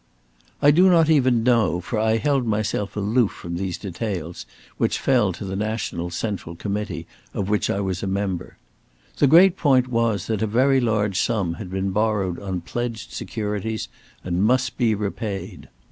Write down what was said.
"I do not even know, for I held myself aloof from these details, which fell to the National Central Committee of which I was not a member. The great point was that a very large sum had been borrowed on pledged securities, and must be repaid.